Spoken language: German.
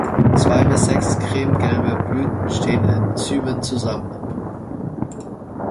Zwei bis sechs creme-gelbe Blüten stehen in Zymen zusammen.